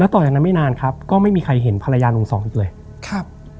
ต่อจากนั้นไม่นานครับก็ไม่มีใครเห็นภรรยาลุงสองอีกเลยครับ